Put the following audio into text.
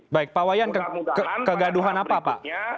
baik pak wayan kegaduhan apa pak